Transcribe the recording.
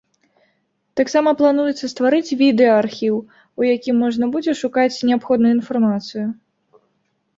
Таксама плануецца стварыць відэаархіў, у якім можна будзе шукаць неабходную інфармацыю.